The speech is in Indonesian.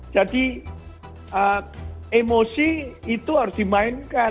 jadi emosi itu harus dimainkan